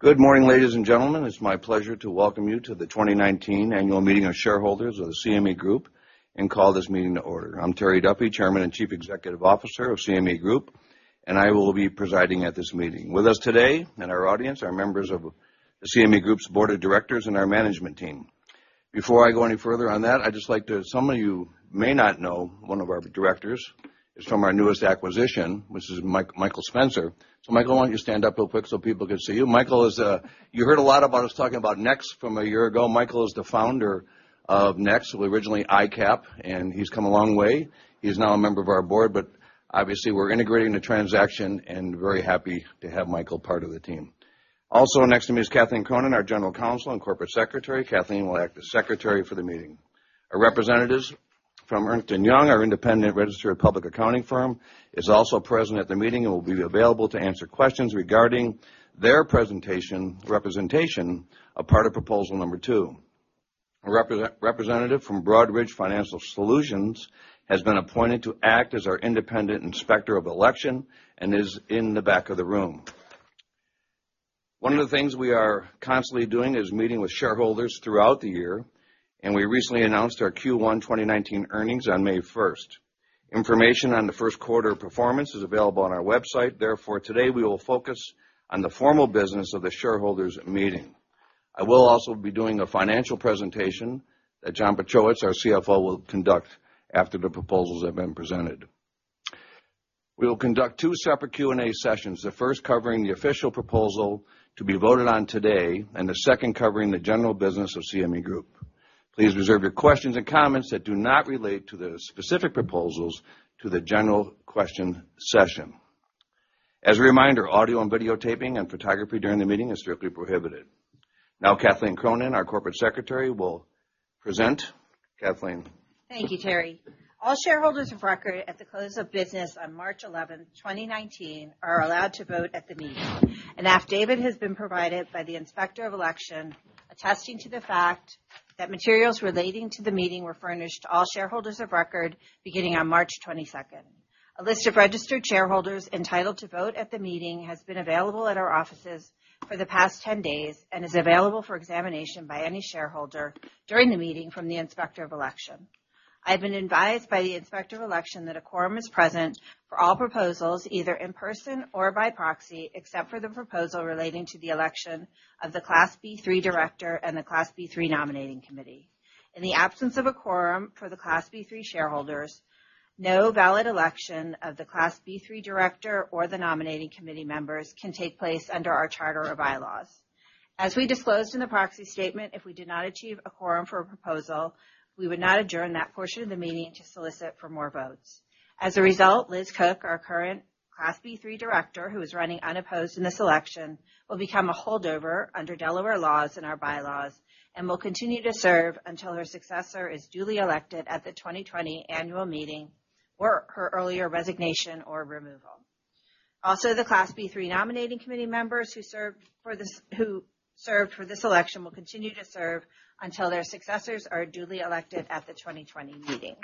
Good morning, ladies and gentlemen. It's my pleasure to welcome you to the 2019 Annual Meeting of Shareholders of CME Group and call this meeting to order. I'm Terry Duffy, Chairman and Chief Executive Officer of CME Group, and I will be presiding at this meeting. With us today in our audience are members of CME Group's Board of Directors and our management team. Before I go any further on that, some of you may not know one of our directors. He's from our newest acquisition, which is Michael Spencer. Michael, why don't you stand up real quick so people can see you? You heard a lot about us talking about NEX from a year ago. Michael is the founder of NEX, well, originally ICAP, and he's come a long way. He's now a member of our board. Obviously, we're integrating the transaction and very happy to have Michael part of the team. Also next to me is Kathleen Cronin, our General Counsel and Corporate Secretary. Kathleen will act as secretary for the meeting. Our representatives from Ernst & Young, our independent registered public accounting firm, is also present at the meeting and will be available to answer questions regarding their presentation, representation of part of proposal number 2. A representative from Broadridge Financial Solutions has been appointed to act as our independent inspector of election and is in the back of the room. One of the things we are constantly doing is meeting with shareholders throughout the year, and we recently announced our Q1 2019 earnings on May 1st. Information on the first quarter performance is available on our website. Today, we will focus on the formal business of the shareholders meeting. I will also be doing a financial presentation that John Pietrowicz, our CFO, will conduct after the proposals have been presented. We will conduct two separate Q&A sessions, the first covering the official proposal to be voted on today, and the second covering the general business of CME Group. Please reserve your questions and comments that do not relate to the specific proposals to the general question session. As a reminder, audio and videotaping and photography during the meeting is strictly prohibited. Kathleen Cronin, our Corporate Secretary, will present. Kathleen. Thank you, Terry. All shareholders of record at the close of business on March 11, 2019, are allowed to vote at the meeting. An affidavit has been provided by the Inspector of Election attesting to the fact that materials relating to the meeting were furnished to all shareholders of record beginning on March 22nd. A list of registered shareholders entitled to vote at the meeting has been available at our offices for the past 10 days and is available for examination by any shareholder during the meeting from the Inspector of Election. I've been advised by the Inspector of Election that a quorum is present for all proposals, either in person or by proxy, except for the proposal relating to the election of the Class B-3 director and the Class B-3 Nominating Committee. In the absence of a quorum for the Class B-3 shareholders, no valid election of the Class B-3 director or the Nominating Committee members can take place under our charter or bylaws. As we disclosed in the proxy statement, if we did not achieve a quorum for a proposal, we would not adjourn that portion of the meeting to solicit for more votes. As a result, Liz Cook, our current Class B-3 director, who is running unopposed in this election, will become a holdover under Delaware laws and our bylaws and will continue to serve until her successor is duly elected at the 2020 annual meeting or her earlier resignation or removal. Also, the Class B-3 Nominating Committee members who served for this election will continue to serve until their successors are duly elected at the 2020 meeting.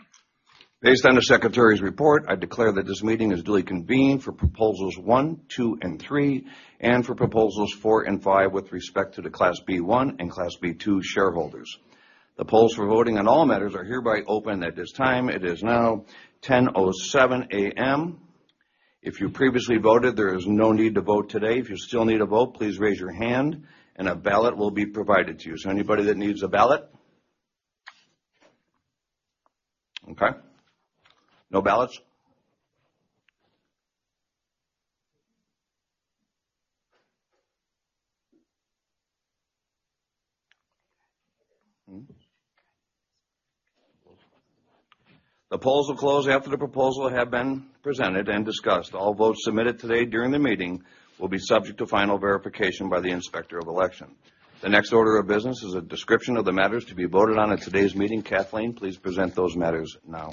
Based on the Secretary's report, I declare that this meeting is duly convened for proposals 1, 2, and 3, and for proposals 4 and 5 with respect to the Class B-1 and Class B-2 shareholders. The polls for voting on all matters are hereby open at this time. It is now 10:07 A.M. If you previously voted, there is no need to vote today. If you still need to vote, please raise your hand and a ballot will be provided to you. So anybody that needs a ballot? Okay, no ballots. The polls will close after the proposals have been presented and discussed. All votes submitted today during the meeting will be subject to final verification by the Inspector of Election. The next order of business is a description of the matters to be voted on at today's meeting. Kathleen, please present those matters now.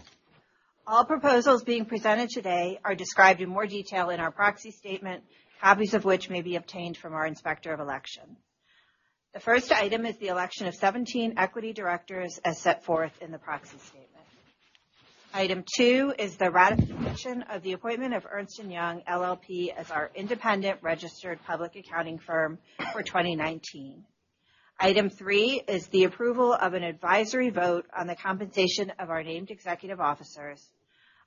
All proposals being presented today are described in more detail in our proxy statement, copies of which may be obtained from our Inspector of Election. The first item is the election of 17 equity directors as set forth in the proxy statement. Item 2 is the ratification of the appointment of Ernst & Young LLP as our independent registered public accounting firm for 2019. Item 3 is the approval of an advisory vote on the compensation of our named executive officers.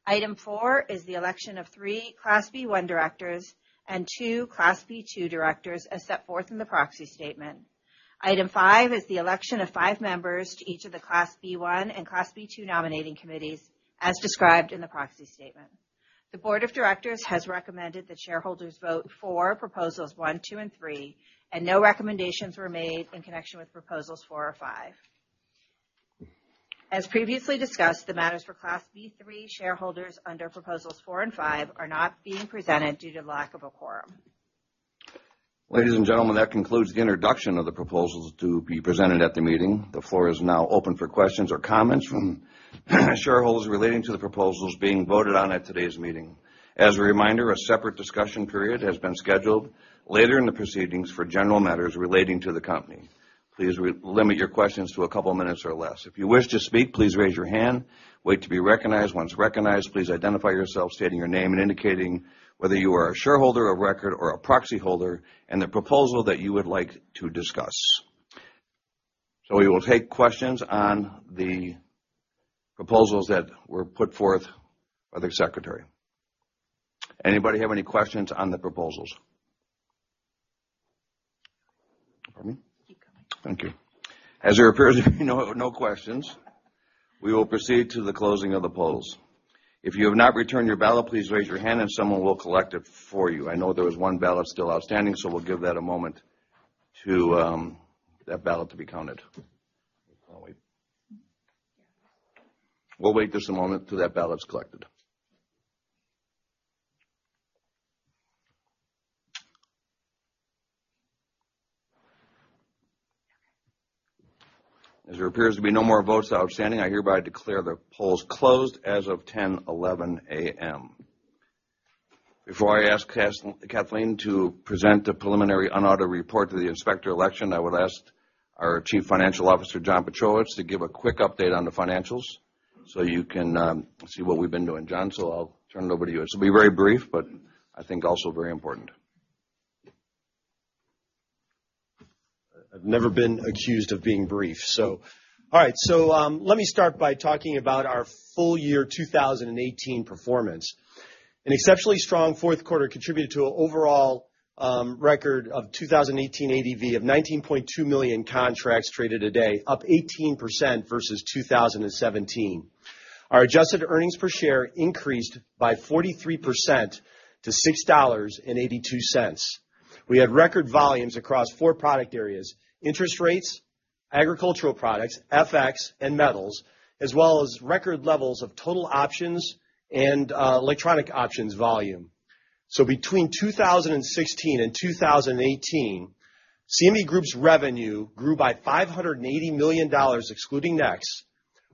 Item 4 is the election of 3 Class B-1 directors and 2 Class B-2 directors as set forth in the proxy statement. Item 5 is the election of 5 members to each of the Class B-1 and Class B-2 Nominating Committees, as described in the proxy statement. The Board of Directors has recommended that shareholders vote for proposals 1, 2, and 3, and no recommendations were made in connection with proposals 4 or 5. As previously discussed, the matters for Class B-3 shareholders under proposals 4 and 5 are not being presented due to lack of a quorum. Ladies and gentlemen, that concludes the introduction of the proposals to be presented at the meeting. The floor is now open for questions or comments from shareholders relating to the proposals being voted on at today's meeting. As a reminder, a separate discussion period has been scheduled later in the proceedings for general matters relating to the company. Please limit your questions to a couple of minutes or less. If you wish to speak, please raise your hand. Wait to be recognized. Once recognized, please identify yourself, stating your name and indicating whether you are a shareholder of record or a proxy holder, and the proposal that you would like to discuss. We will take questions on the proposals that were put forth by the secretary. Anybody have any questions on the proposals? Pardon me? Keep going. Thank you. As there appears to be no questions, we will proceed to the closing of the polls. If you have not returned your ballot, please raise your hand and someone will collect it for you. I know there was one ballot still outstanding, we'll give that a moment that ballot to be counted while we- Yeah. We'll wait just a moment till that ballot's collected. As there appears to be no more votes outstanding, I hereby declare the polls closed as of 10:11 A.M. Before I ask Kathleen to present the preliminary unaudited report to the Inspector of Election, I would ask our Chief Financial Officer, John Pietrowicz, to give a quick update on the financials you can see what we've been doing. John, I'll turn it over to you. This will be very brief, but I think also very important. I've never been accused of being brief. All right. Let me start by talking about our full year 2018 performance. An exceptionally strong fourth quarter contributed to an overall record of 2018 ADV of 19.2 million contracts traded a day, up 18% versus 2017. Our adjusted earnings per share increased by 43% to $6.82. We had record volumes across four product areas, interest rates, agricultural products, FX, and metals, as well as record levels of total options and electronic options volume. Between 2016 and 2018, CME Group's revenue grew by $580 million, excluding NEX,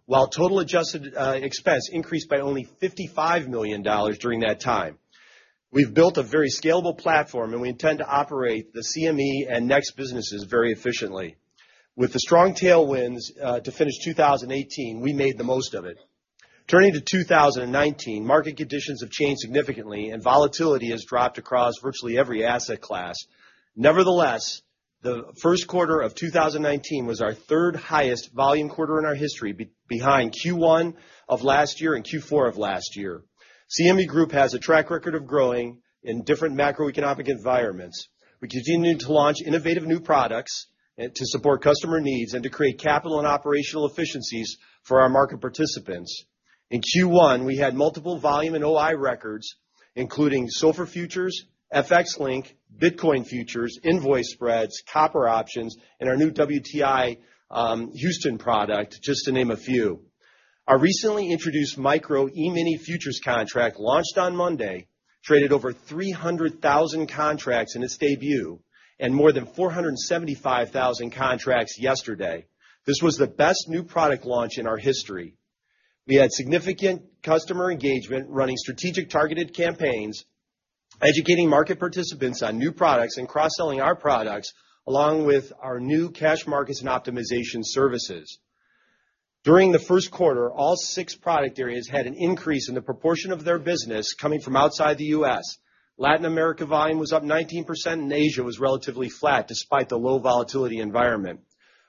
while total adjusted expense increased by only $55 million during that time. We've built a very scalable platform, and we intend to operate the CME and NEX businesses very efficiently. With the strong tailwinds to finish 2018, we made the most of it. Turning to 2019, market conditions have changed significantly, and volatility has dropped across virtually every asset class. Nevertheless, the first quarter of 2019 was our third highest volume quarter in our history, behind Q1 of last year and Q4 of last year. CME Group has a track record of growing in different macroeconomic environments. We continue to launch innovative new products to support customer needs and to create capital and operational efficiencies for our market participants. In Q1, we had multiple volume and OI records, including SOFR futures, FX Link, Bitcoin futures, Invoice Spreads, Copper options, and our new WTI Houston product, just to name a few. Our recently introduced Micro E-mini futures contract, launched on Monday, traded over 300,000 contracts in its debut and more than 475,000 contracts yesterday. This was the best new product launch in our history. We had significant customer engagement running strategic targeted campaigns, educating market participants on new products, and cross-selling our products along with our new cash markets and optimization services. During the first quarter, all six product areas had an increase in the proportion of their business coming from outside the U.S. Latin America volume was up 19%, and Asia was relatively flat despite the low volatility environment.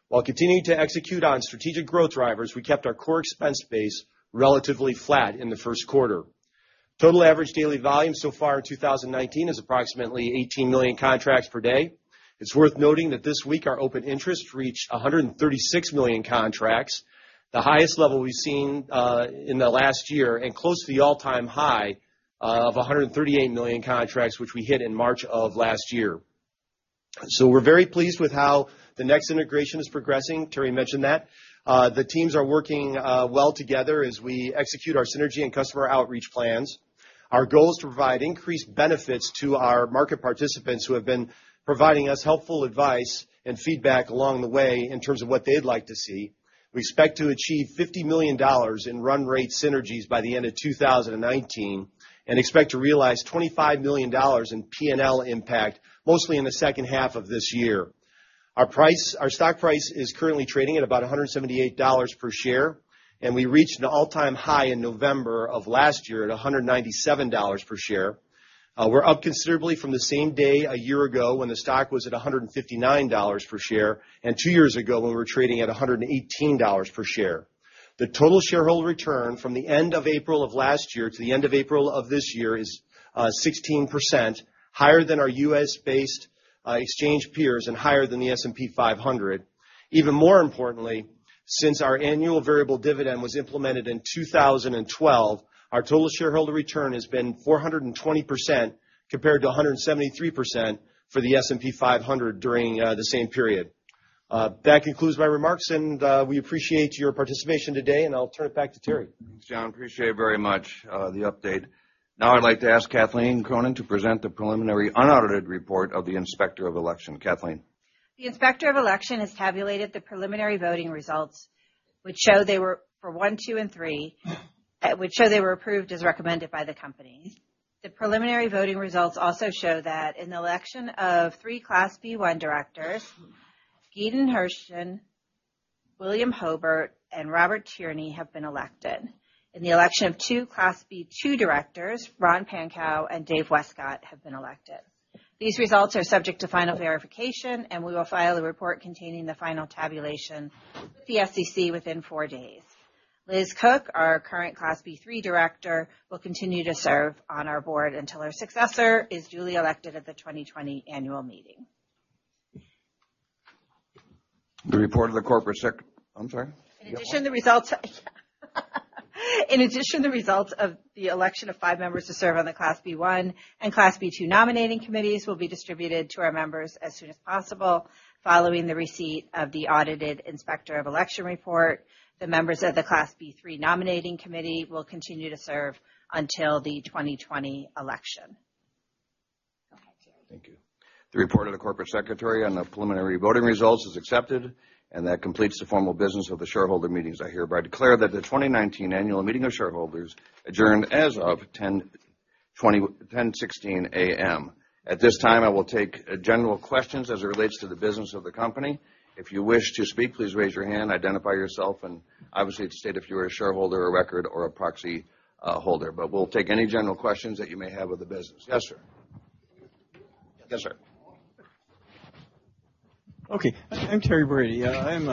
While continuing to execute on strategic growth drivers, we kept our core expense base relatively flat in the first quarter. Total average daily volume so far in 2019 is approximately 18 million contracts per day. It's worth noting that this week our open interest reached 136 million contracts, the highest level we've seen in the last year and close to the all-time high of 138 million contracts, which we hit in March of last year. We're very pleased with how the NEX integration is progressing. Terry mentioned that. The teams are working well together as we execute our synergy and customer outreach plans. Our goal is to provide increased benefits to our market participants who have been providing us helpful advice and feedback along the way in terms of what they'd like to see. We expect to achieve $50 million in run rate synergies by the end of 2019 and expect to realize $25 million in P&L impact, mostly in the second half of this year. Our stock price is currently trading at about $178 per share, and we reached an all-time high in November of last year at $197 per share. We're up considerably from the same day a year ago when the stock was at $159 per share and two years ago when we were trading at $118 per share. The total shareholder return from the end of April of last year to the end of April of this year is 16%, higher than our U.S.-based exchange peers and higher than the S&P 500. Even more importantly, since our annual variable dividend was implemented in 2012, our total shareholder return has been 420% compared to 173% for the S&P 500 during the same period. That concludes my remarks. We appreciate your participation today. I'll turn it back to Terry. Thanks, John. Appreciate very much the update. Now I'd like to ask Kathleen Cronin to present the preliminary unaudited report of the Inspector of Election. Kathleen. The Inspector of Election has tabulated the preliminary voting results for one, two, and three, which show they were approved as recommended by the company. The preliminary voting results also show that in the election of three Class B-1 directors, Gideon Herzog, William Hobert, and Robert Tierney have been elected. In the election of two Class B-2 directors, Ron Pankau and Dave Wescott have been elected. These results are subject to final verification. We will file a report containing the final tabulation with the SEC within four days. Liz Cook, our current Class B-3 director, will continue to serve on our board until her successor is duly elected at the 2020 annual meeting. The report of the corporate sec. I'm sorry. In addition, the results of the election of five members to serve on the Class B-1 and Class B-2 nominating committees will be distributed to our members as soon as possible following the receipt of the audited inspector of election report. The members of the Class B-3 nominating committee will continue to serve until the 2020 election. Go ahead, Terry. Thank you. The report of the corporate secretary on the preliminary voting results is accepted, that completes the formal business of the shareholder meetings. I hereby declare that the 2019 annual meeting of shareholders adjourned as of 10:16 A.M. At this time, I will take general questions as it relates to the business of the company. If you wish to speak, please raise your hand, identify yourself, and obviously state if you're a shareholder of record or a proxy holder. We'll take any general questions that you may have of the business. Yes, sir. Yes, sir. Okay. I'm Terry Brady. I am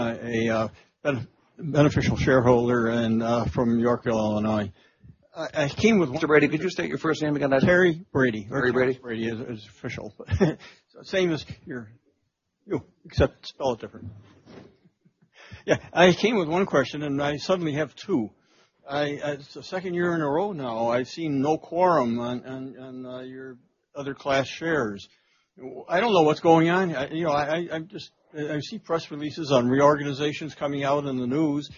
a beneficial shareholder and from Yorkville, Illinois. I came with- Mr. Brady, could you state your first name again? Terry Brady. Terry Brady. Terry Brady is official. Same as you, except spelled different. Yeah, I came with one question, I suddenly have two. It's the second year in a row now I've seen no quorum on your other class shares. I don't know what's going on. I see press releases on reorganizations coming out in the news.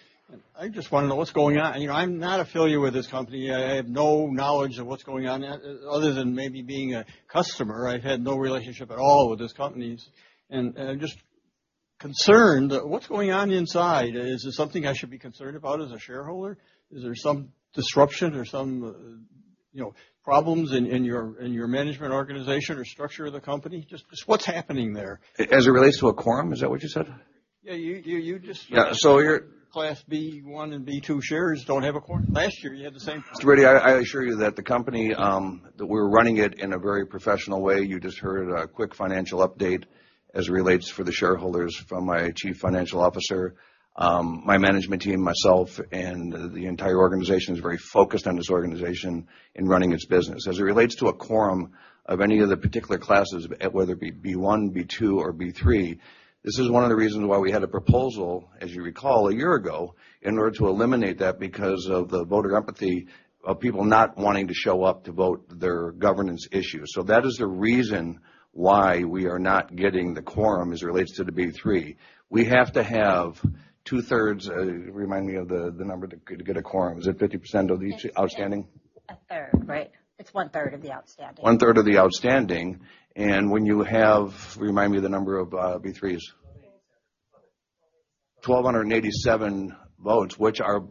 I just want to know what's going on. I'm not affiliated with this company. I have no knowledge of what's going on. Other than maybe being a customer, I've had no relationship at all with this company. I'm just concerned. What's going on inside? Is it something I should be concerned about as a shareholder? Is there some disruption or some problems in your management organization or structure of the company? Just what's happening there? As it relates to a quorum? Is that what you said? Yeah, you just- Yeah, you're- Class B-1 and B-2 shares don't have a quorum. Last year, you had the same. Mr. Brady, I assure you that the company, that we're running it in a very professional way. You just heard a quick financial update as it relates for the shareholders from my Chief Financial Officer. My management team, myself, and the entire organization is very focused on this organization in running its business. As it relates to a quorum of any of the particular classes, whether it be B-1, B-2, or B-3, this is one of the reasons why we had a proposal, as you recall, a year ago in order to eliminate that because of the voter apathy of people not wanting to show up to vote their governance issues. That is the reason why we are not getting the quorum as it relates to the B-3. We have to have two-thirds Remind me of the number to get a quorum. Is it 50% of the outstanding? A third, right. It's one-third of the outstanding. One-third of the outstanding. When you have, remind me of the number of B3s. 1,287 votes, which a lot of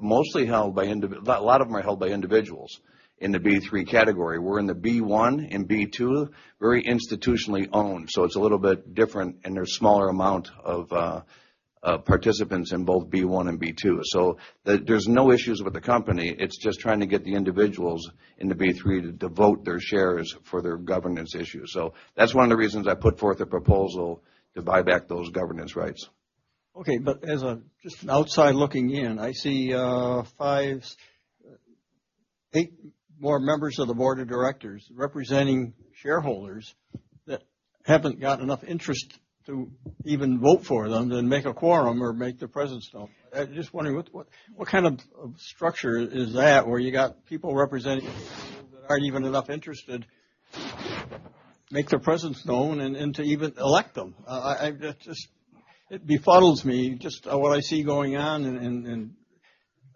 them are held by individuals in the B3 category. We're in the B1 and B2, very institutionally owned, it's a little bit different, and there's smaller amount of participants in both B1 and B2. There's no issues with the company. It's just trying to get the individuals in the B3 to vote their shares for their governance issues. That's one of the reasons I put forth a proposal to buy back those governance rights. Okay, as an outside looking in, I see eight more members of the Board of Directors representing shareholders that haven't got enough interest to even vote for them than make a quorum or make their presence known. I'm just wondering, what kind of structure is that where you got people representing that aren't even enough interested make their presence known and to even elect them? It befuddles me just what I see going on, and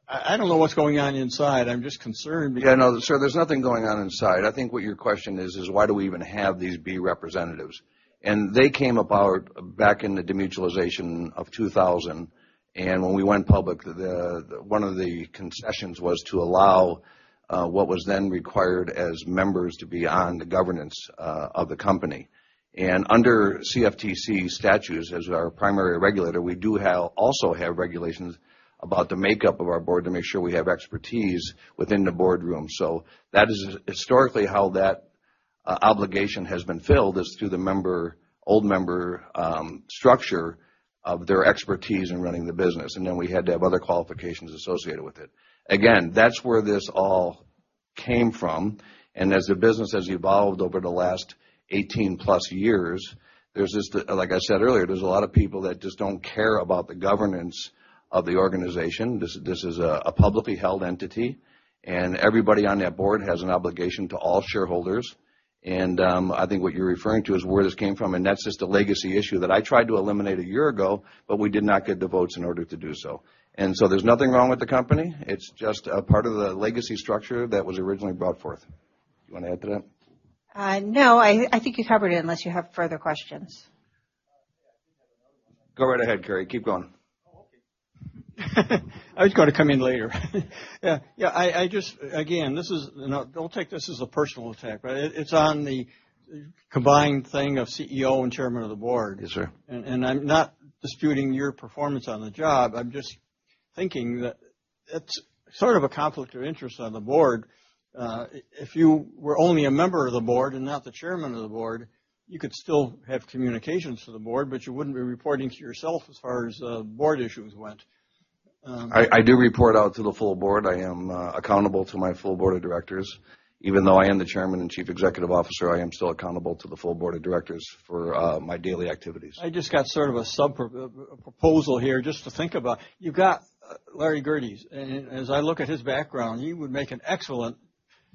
I don't know what's going on inside. I'm just concerned because. Yeah, no. Sir, there's nothing going on inside. I think what your question is why do we even have these B representatives. They came about back in the demutualization of 2000. When we went public, one of the concessions was to allow what was then required as members to be on the governance of the company. Under CFTC statutes, as our primary regulator, we do also have regulations about the makeup of our Board to make sure we have expertise within the boardroom. That is historically how that obligation has been filled is through the old member structure of their expertise in running the business, and then we had to have other qualifications associated with it. That's where this all came from, and as the business has evolved over the last 18-plus years, like I said earlier, there's a lot of people that just don't care about the governance of the organization. This is a publicly held entity, and everybody on that board has an obligation to all shareholders. I think what you're referring to is where this came from, and that's just a legacy issue that I tried to eliminate a year ago, but we did not get the votes in order to do so. There's nothing wrong with the company. It's just a part of the legacy structure that was originally brought forth. You want to add to that? No, I think you covered it unless you have further questions. Go right ahead, Terry. Keep going. Oh, okay. I was going to come in later. Yeah. Don't take this as a personal attack, but it's on the combined thing of CEO and Chairman of the Board. Yes, sir. I'm not disputing your performance on the job, I'm just thinking that it's sort of a conflict of interest on the Board. If you were only a member of the Board and not the Chairman of the Board, you could still have communications to the Board, but you wouldn't be reporting to yourself as far as Board issues went. I do report out to the full Board. I am accountable to my full Board of Directors. Even though I am the Chairman and Chief Executive Officer, I am still accountable to the full Board of Directors for my daily activities. I just got sort of a sub-proposal here just to think about. You've got Larry Gerdes, and as I look at his background, he would make an excellent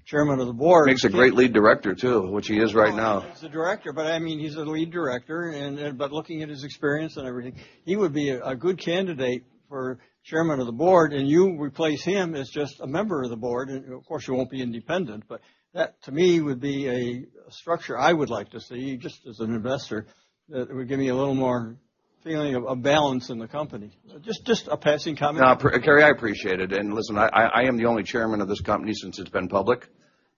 Chairman of the Board. He makes a great lead director, too, which he is right now. He's a director, but he's a lead director. Looking at his experience and everything, he would be a good candidate for Chairman of the Board, and you replace him as just a member of the Board. Of course, you won't be independent, but that, to me, would be a structure I would like to see, just as an investor. That would give me a little more feeling of balance in the company. Just a passing comment. No, Terry, I appreciate it. Listen, I am the only Chairman of this company since it's been public.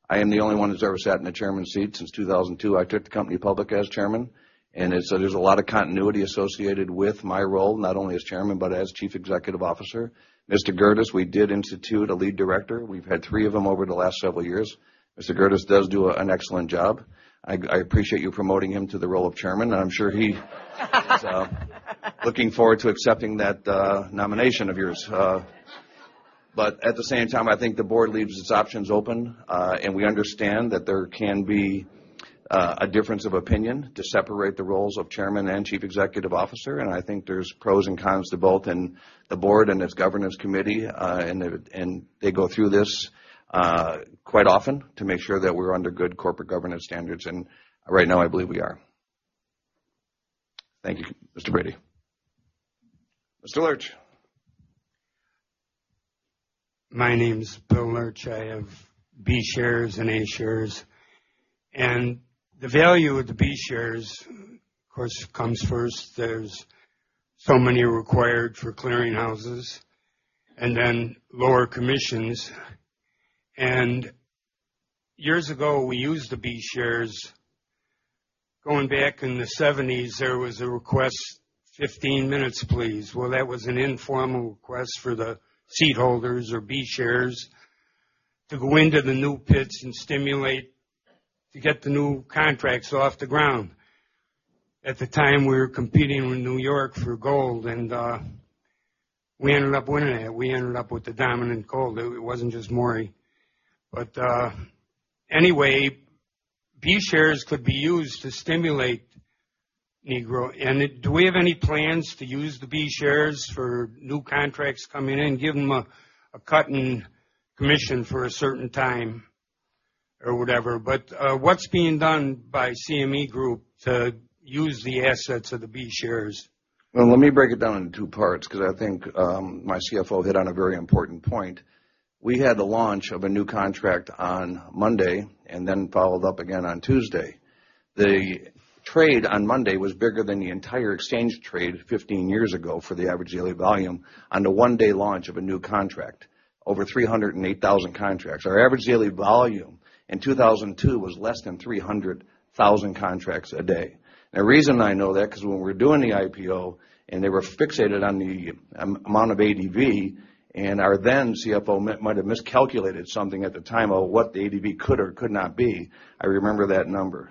I am the only one who's ever sat in the Chairman seat since 2002. I took the company public as Chairman, there's a lot of continuity associated with my role, not only as Chairman but as Chief Executive Officer. Mr. Gerdes, we did institute a lead director. We've had three of them over the last several years. Mr. Gerdes does do an excellent job. I appreciate you promoting him to the role of Chairman. I'm sure he is looking forward to accepting that nomination of yours. At the same time, I think the Board leaves its options open, and we understand that there can be a difference of opinion to separate the roles of Chairman and Chief Executive Officer. I think there's pros and cons to both, and the Board and its governance committee, and they go through this quite often to make sure that we're under good corporate governance standards. Right now, I believe we are. Thank you, Mr. Brady. Mr. Lerch. My name's Bill Lerch. I have B shares and A shares. The value of the B shares, of course, comes first. There's so many required for clearing houses and then lower commissions. Years ago, we used the B shares. Going back in the '70s, there was a request, "15 minutes, please." Well, that was an informal request for the C holders or B shares to go into the new pits and stimulate to get the new contracts off the ground. At the time, we were competing with New York for gold, and we ended up winning it. We ended up with the dominant gold. It wasn't just Maury. Anyway, B shares could be used to stimulate. Do we have any plans to use the B shares for new contracts coming in, give them a cut in commission for a certain time or whatever? What's being done by CME Group to use the assets of the B shares? Well, let me break it down into two parts because I think my CFO hit on a very important point. We had the launch of a new contract on Monday and then followed up again on Tuesday. The trade on Monday was bigger than the entire exchange trade 15 years ago for the average daily volume on the one-day launch of a new contract. Over 308,000 contracts. Our average daily volume in 2002 was less than 300,000 contracts a day. The reason I know that because when we were doing the IPO, and they were fixated on the amount of ADV, and our then CFO might have miscalculated something at the time of what the ADV could or could not be. I remember that number.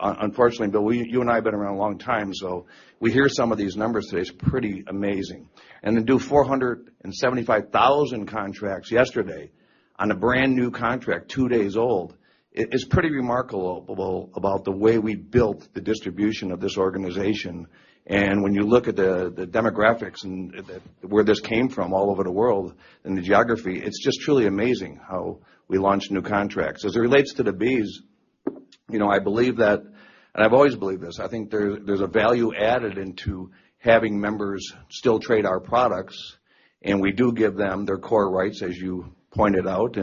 Unfortunately, Bill, you and I have been around a long time, so we hear some of these numbers today, it's pretty amazing. To do 475,000 contracts yesterday on a brand-new contract, two days old, is pretty remarkable about the way we built the distribution of this organization. When you look at the demographics and where this came from all over the world and the geography, it's just truly amazing how we launch new contracts. As it relates to the Bs, I believe that, and I've always believed this, I think there's a value added into having members still trade our products, and we do give them their core rights, as you pointed out.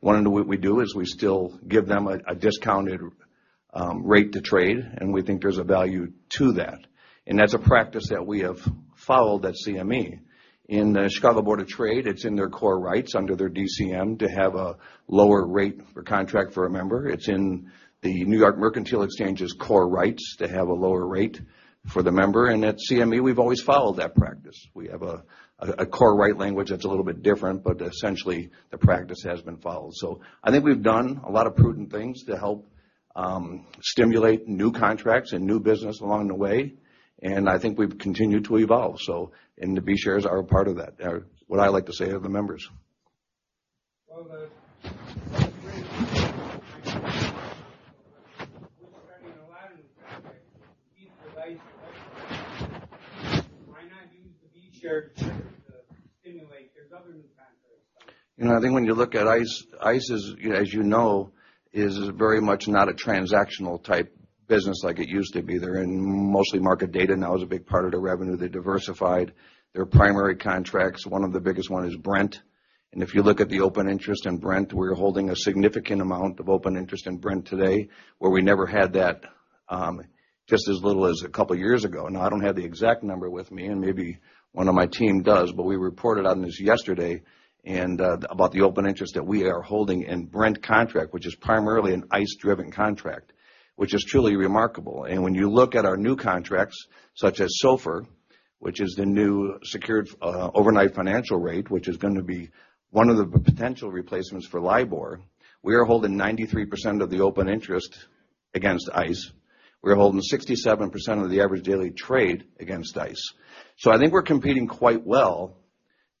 One of the way we do is we still give them a discounted rate to trade, and we think there's a value to that. That's a practice that we have followed at CME. In the Chicago Board of Trade, it's in their core rights under their DCM to have a lower rate per contract for a member. It's in the New York Mercantile Exchange's core rights to have a lower rate for the member. At CME, we've always followed that practice. We have a core right language that's a little bit different, but essentially, the practice has been followed. I think we've done a lot of prudent things to help stimulate new contracts and new business along the way, and I think we've continued to evolve. The B shares are a part of that. What I like to say to the members. We're starting a lot of new contracts. B provides for that. Why not use the B share to stimulate? There's other new contracts out there. When you look at ICE, as you know, is very much not a transactional type business like it used to be. They're in mostly market data now is a big part of their revenue. They diversified their primary contracts. One of the biggest one is Brent. If you look at the open interest in Brent, we're holding a significant amount of open interest in Brent today, where we never had that just as little as a couple of years ago. I don't have the exact number with me, and maybe one of my team does, but we reported on this yesterday, about the open interest that we are holding in Brent contract, which is primarily an ICE-driven contract, which is truly remarkable. When you look at our new contracts, such as SOFR, which is the new Secured Overnight Financing Rate, which is going to be one of the potential replacements for LIBOR, we are holding 93% of the open interest against ICE. We are holding 67% of the average daily trade against ICE. I think we're competing quite well,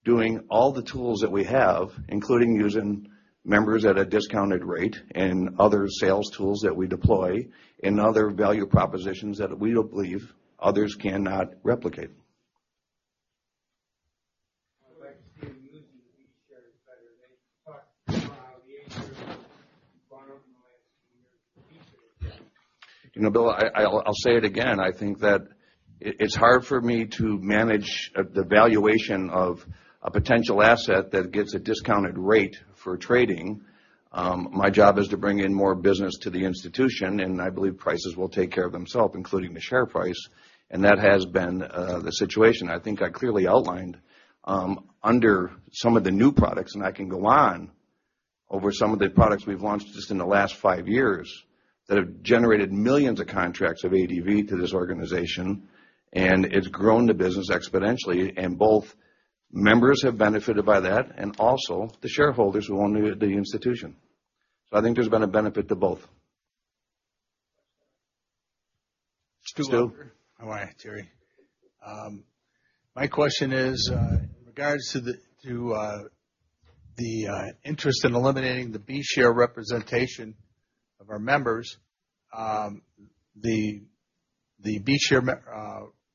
doing all the tools that we have, including using members at a discounted rate and other sales tools that we deploy and other value propositions that we don't believe others cannot replicate. I'd like to see you losing the B shares better. They talked about the eight year bottom in the last few years. Bill, I'll say it again, I think that it's hard for me to manage the valuation of a potential asset that gets a discounted rate for trading. My job is to bring in more business to the institution, I believe prices will take care of themselves, including the share price. That has been the situation. I think I clearly outlined under some of the new products, and I can go on, over some of the products we've launched just in the last five years that have generated millions of contracts of ADV to this organization, it's grown the business exponentially, both members have benefited by that, and also the shareholders who own the institution. I think there's been a benefit to both. Stu. Stu. How are you, Terry? My question is, in regards to the interest in eliminating the B share representation of our members. The B share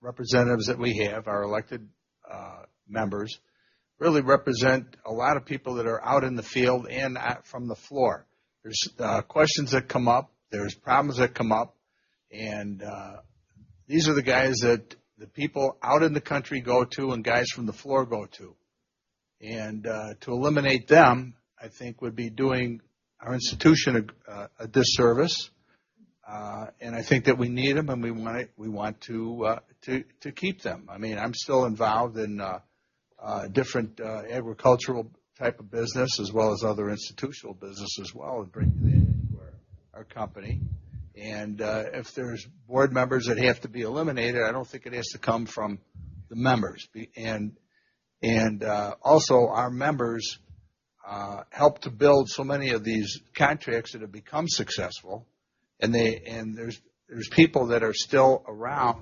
representatives that we have, our elected members, really represent a lot of people that are out in the field and from the floor. There's questions that come up, there's problems that come up, these are the guys that the people out in the country go to and guys from the floor go to. To eliminate them, I think would be doing our institution a disservice. I think that we need them, and we want to keep them. I'm still involved in different agricultural type of business as well as other institutional business as well and bringing it in for our company. If there's board members that have to be eliminated, I don't think it has to come from the members. Also, our members helped to build so many of these contracts that have become successful. There's people that are still around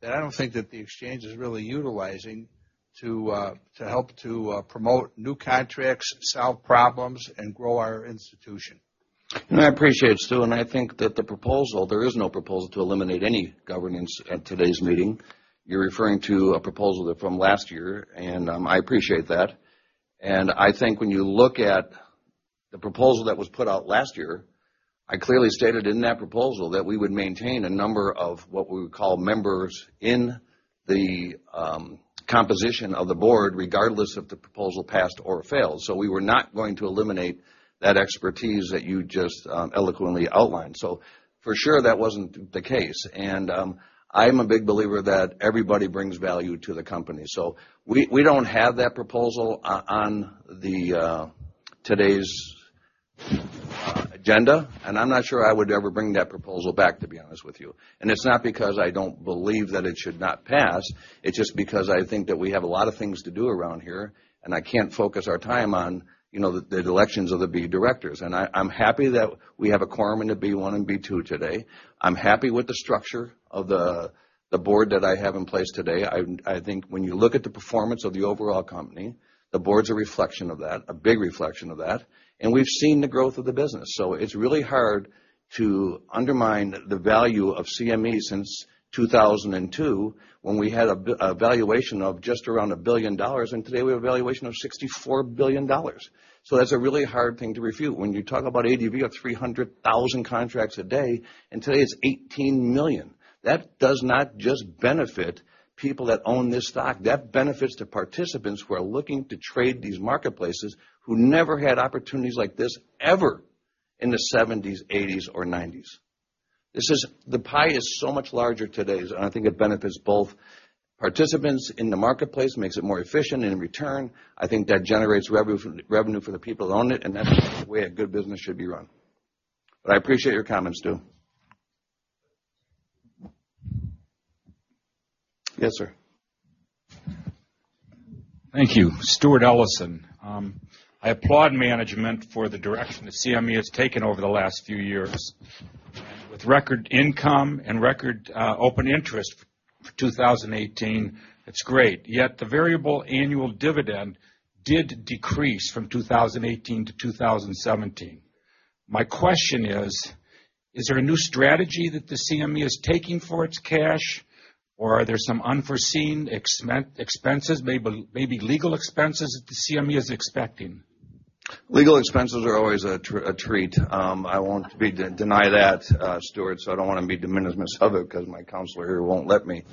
that I don't think that the exchange is really utilizing to help to promote new contracts, solve problems, and grow our institution. I appreciate it, Stu. I think that the proposal, there is no proposal to eliminate any governance at today's meeting. You're referring to a proposal from last year. I appreciate that. I think when you look at the proposal that was put out last year, I clearly stated in that proposal that we would maintain a number of what we would call members in the composition of the board, regardless if the proposal passed or failed. We were not going to eliminate that expertise that you just eloquently outlined. For sure, that wasn't the case. I'm a big believer that everybody brings value to the company. We don't have that proposal on today's agenda, and I'm not sure I would ever bring that proposal back, to be honest with you. It's not because I don't believe that it should not pass. It's just because I think that we have a lot of things to do around here, and I can't focus our time on the elections of the B directors. I'm happy that we have a quorum in the B1 and B2 today. I'm happy with the structure of the board that I have in place today. I think when you look at the performance of the overall company, the board's a reflection of that, a big reflection of that, and we've seen the growth of the business. It's really hard to undermine the value of CME since 2002, when we had a valuation of just around $1 billion, and today we have a valuation of $64 billion. That's a really hard thing to refute. When you talk about ADV of 300,000 contracts a day, and today it's 18 million. That does not just benefit people that own this stock. That benefits the participants who are looking to trade these marketplaces who never had opportunities like this ever in the '70s, '80s, or '90s. The pie is so much larger today. I think it benefits both participants in the marketplace, makes it more efficient. In return, I think that generates revenue for the people that own it. That's the way a good business should be run. I appreciate your comments, Stu. Yes, sir. Thank you. Stuart Ellison. I applaud management for the direction that CME has taken over the last few years. With record income and record open interest for 2018, it's great. Yet the variable annual dividend did decrease from 2018 to 2017. My question is there a new strategy that the CME is taking for its cash? Or are there some unforeseen expenses, maybe legal expenses that the CME is expecting? Legal expenses are always a treat. I won't deny that, Stuart, so I don't want to be diminishing this other because my counselor here won't let me.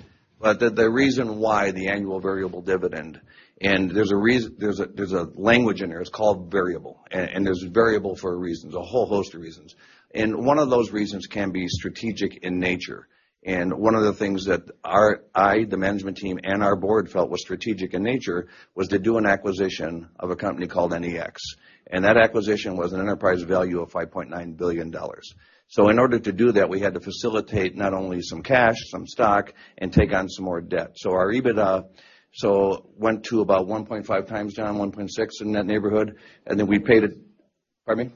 The reason why the annual variable dividend, and there's a language in there, it's called variable, and there's variable for a reason, there's a whole host of reasons. One of those reasons can be strategic in nature. One of the things that I, the management team, and our board felt was strategic in nature, was to do an acquisition of a company called NEX. That acquisition was an enterprise value of $5.9 billion. In order to do that, we had to facilitate not only some cash, some stock, and take on some more debt. Our EBITDA went to about 1.5 times down, 1.6 in that neighborhood. Then we paid-- pardon me?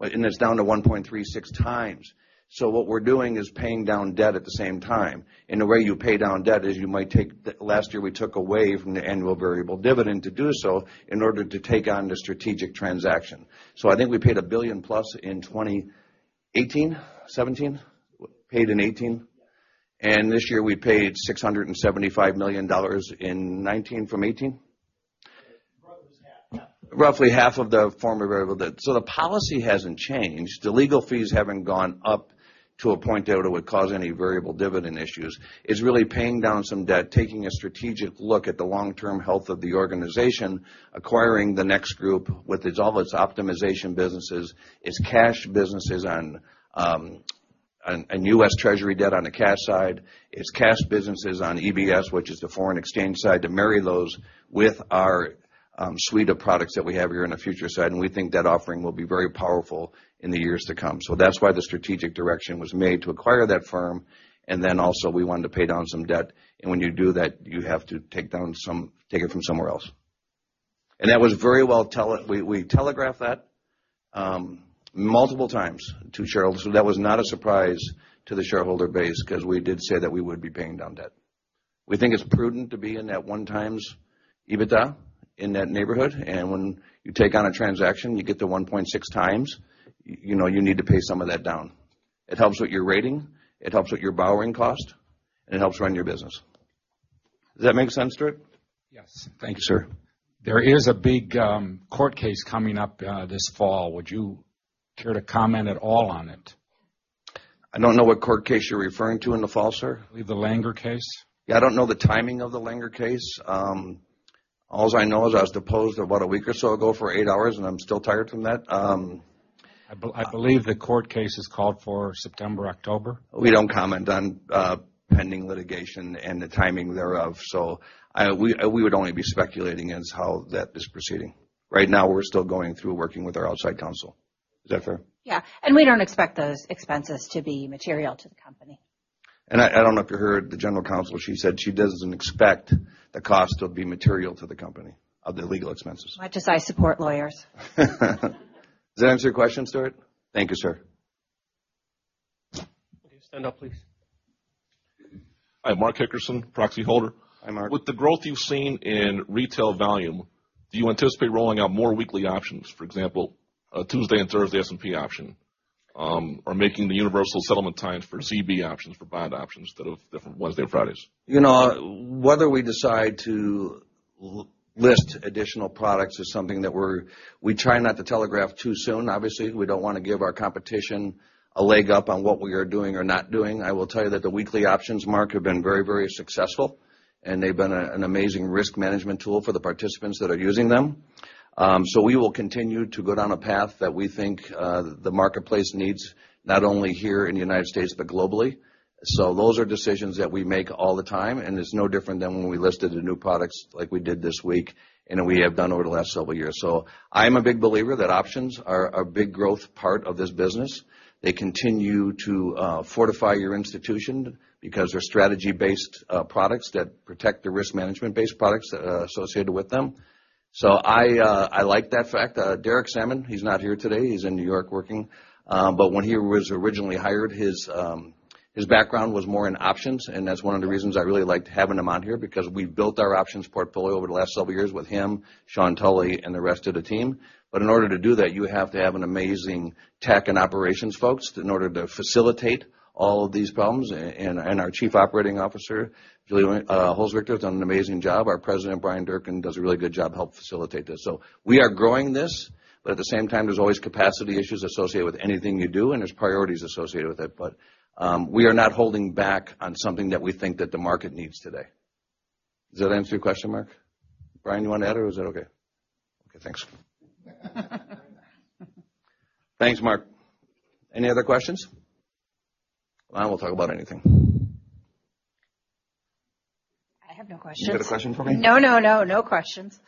1.36. It's down to 1.36 times. What we're doing is paying down debt at the same time. The way you pay down debt is you might take last year, we took away from the annual variable dividend to do so in order to take on the strategic transaction. I think we paid a billion-plus in 2018, 2017? Paid in 2018? Yeah. This year we paid $675 million in 2019 from 2018? Roughly was half, yeah. Roughly half of the former variable debt. The policy hasn't changed. The legal fees haven't gone up to a point that it would cause any variable dividend issues. It's really paying down some debt, taking a strategic look at the long-term health of the organization, acquiring the NEX Group with all its optimization businesses, its cash businesses, and U.S. Treasury debt on the cash side. Its cash businesses on EBS, which is the foreign exchange side, to marry those with our suite of products that we have here in the future side. We think that offering will be very powerful in the years to come. That's why the strategic direction was made to acquire that firm, and then also we wanted to pay down some debt. When you do that, you have to take it from somewhere else. We telegraphed that multiple times to shareholders, so that was not a surprise to the shareholder base because we did say that we would be paying down debt. We think it's prudent to be in that 1x EBITDA, in that neighborhood, and when you take on a transaction, you get to 1.6x, you need to pay some of that down. It helps with your rating, it helps with your borrowing cost, and it helps run your business. Does that make sense, Stuart? Yes. Thank you, sir. There is a big court case coming up this fall. Would you care to comment at all on it? I don't know what court case you're referring to in the fall, sir. The Langer case. Yeah, I don't know the timing of the Langer case. Alls I know is I was deposed about a week or so ago for eight hours, and I'm still tired from that. I believe the court case is called for September, October. We don't comment on pending litigation and the timing thereof. We would only be speculating as how that is proceeding. Right now, we're still going through working with our outside counsel. Is that fair? Yeah. We don't expect those expenses to be material to the company. I don't know if you heard the General Counsel, she said she doesn't expect the cost to be material to the company, of the legal expenses. Well, I support lawyers. Does that answer your question, Stuart? Thank you, sir. Okay. Stand up, please. Hi. Mark Hickerson, Proxy Holder. Hi, Mark. With the growth you've seen in retail volume, do you anticipate rolling out more weekly options? For example, a Tuesday and Thursday S&P option, or making the universal settlement times for CBOT options, for bond options, that have different Wednesdays and Fridays. Whether we decide to list additional products is something that we try not to telegraph too soon. Obviously, we don't want to give our competition a leg up on what we are doing or not doing. I will tell you that the weekly options, Mark, have been very successful, and they've been an amazing risk management tool for the participants that are using them. We will continue to go down a path that we think the marketplace needs, not only here in the United States, but globally. Those are decisions that we make all the time, and it's no different than when we listed the new products like we did this week, and we have done over the last several years. I'm a big believer that options are a big growth part of this business. They continue to fortify your institution because they're strategy-based products that protect the risk management-based products associated with them. I like that fact. Derek Sammann, he's not here today, he's in N.Y. working. When he was originally hired, his background was more in options, and that's one of the reasons I really liked having him on here because we've built our options portfolio over the last several years with him, Sean Tully, and the rest of the team. In order to do that, you have to have an amazing tech and operations folks in order to facilitate all of these problems. Our Chief Operating Officer, Julie Holzrichter, has done an amazing job. Our President, Bryan Durkin, does a really good job to help facilitate this. We are growing this, but at the same time, there's always capacity issues associated with anything you do, and there's priorities associated with it. We are not holding back on something that we think that the market needs today. Does that answer your question, Mark? Bryan, you want to add or is that okay? Okay, thanks. Thanks, Mark. Any other questions? I will talk about anything. I have no questions. You got a question for me? No. No questions.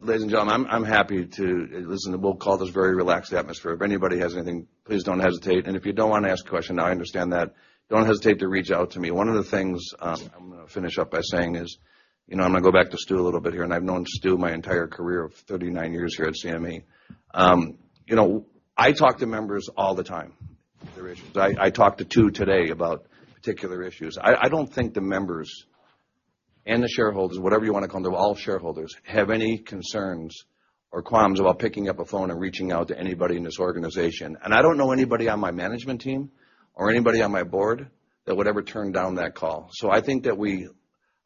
Ladies and gentlemen, I'm happy to listen. We'll call this a very relaxed atmosphere. If anybody has anything, please don't hesitate. If you don't want to ask a question, I understand that. Don't hesitate to reach out to me. One of the things I'm going to finish up by saying is, I'm going to go back to Stu a little bit here, and I've known Stu my entire career of 39 years here at CME. I talk to members all the time. There are issues. I talked to two today about particular issues. I don't think the members and the shareholders, whatever you want to call them, they're all shareholders, have any concerns or qualms about picking up a phone and reaching out to anybody in this organization. I don't know anybody on my management team or anybody on my board that would ever turn down that call. I think that we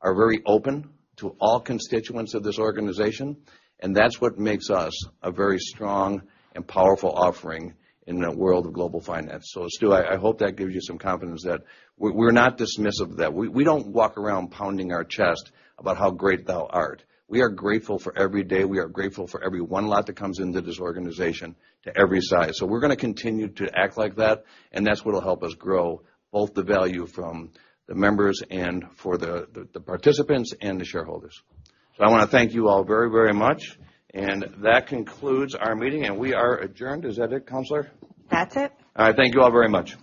are very open to all constituents of this organization, and that's what makes us a very strong and powerful offering in the world of global finance. Stu, I hope that gives you some confidence that we're not dismissive of that. We don't walk around pounding our chest about how great thou art. We are grateful for every day. We are grateful for every one lot that comes into this organization to every size. We're going to continue to act like that, and that's what will help us grow both the value from the members and for the participants and the shareholders. I want to thank you all very much, and that concludes our meeting, and we are adjourned. Is that it, Counselor? That's it. All right. Thank you all very much.